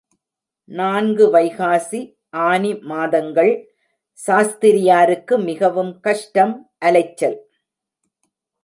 நான்கு வைகாசி, ஆனி மாதங்கள் சாஸ்திரியாருக்கு மிகவும் கஷ்டம் அலைச்சல்.